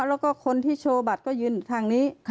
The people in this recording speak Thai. แล้วก็คนที่โชว์บัตรก็ยืนอยู่ทางนี้